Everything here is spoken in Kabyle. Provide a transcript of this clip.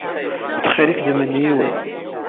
Ttxil-k ddem-n yiwen.